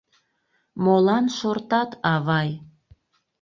— Молан шортат, авай?